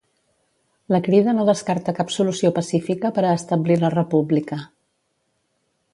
La Crida no descarta cap solució pacífica per a establir la República.